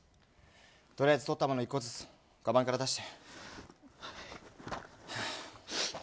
取りあえずとったもの１個ずつかばんから出して。